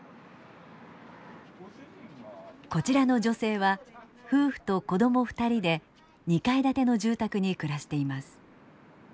こちらの女性は夫婦と子供２人で２階建ての住宅に暮らしています。